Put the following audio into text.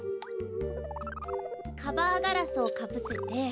カバーガラスをかぶせて。